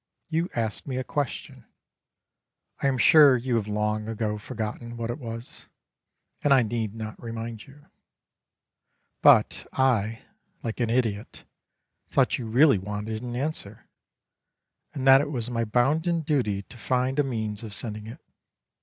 You asked me a question; I am sure you have long ago forgotten what it was, and I need not remind you; but I, like an idiot, thought you really wanted an answer, and that it was my bounden duty to find a means of sending it.